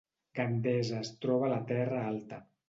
Gandesa es troba a la Terra Alta